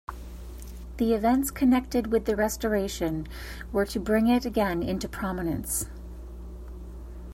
The events connected with the restoration were to bring it again into prominence.